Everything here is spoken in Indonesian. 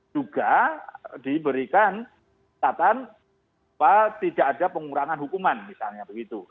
juga diberikan catatan tidak ada pengurangan hukuman misalnya begitu